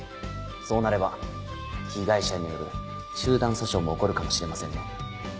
そうなれば被害者による集団訴訟も起こるかもしれませんね。